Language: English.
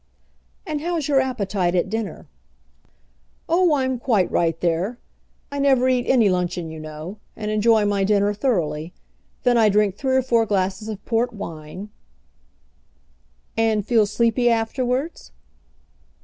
"And how's your appetite at dinner?" "Oh, I'm quite right there. I never eat any luncheon, you know, and enjoy my dinner thoroughly. Then I drink three or four glasses of port wine " "And feel sleepy afterwards?"